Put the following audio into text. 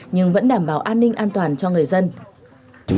nhưng vẫn đảm bảo an ninh an toàn cho người dân